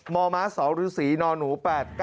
มม๒ฤษีนหนู๘๙